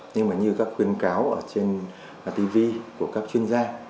nhưng mà như các khuyên cáo trên tv của các chuyên gia